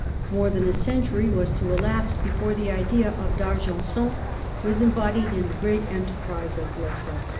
More than a century was to elapse before the idea of D'Argenson was embodied in the great enter prise of Lesseps.